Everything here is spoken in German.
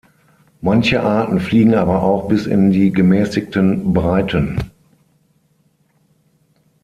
Manche Arten fliegen aber auch bis in die gemäßigten Breiten.